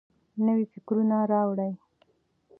نوي فکرونه راوړئ.